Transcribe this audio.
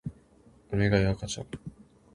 おねがい赤ちゃん